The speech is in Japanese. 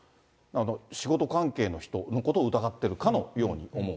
仕事関係の人のことを疑ってるかのように思う。